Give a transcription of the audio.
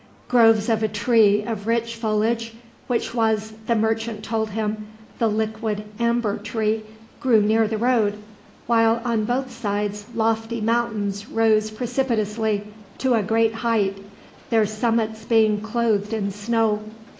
Groves of a tree of rich foliage, which was, the merchant told him, the liquid amber tree, grew near the road; while on both sides lofty mountains rose precipitously to a great height, their summits being clothed in snow.